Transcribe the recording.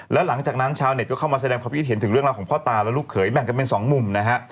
แล้วหลังจากนั้นชาวเน็ตก็เข้ามาแสดงความคิดเห็นถึงเรื่องราวของพ่อตาและลูกเขยแบ่งกันเป็นสองมุมนะฮะ